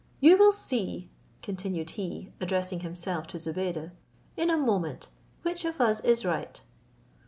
"You will see," continued he, addressing himself to Zobeide, "in a moment, which of us is right."